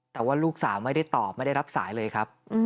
แต่ว่าลูกสาวไม่ได้ตอบไม่ได้รับสายเลยครับ